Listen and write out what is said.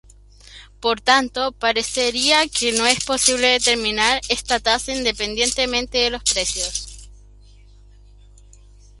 Por tanto, parecería que no es posible determinar esta tasa independientemente de los precios.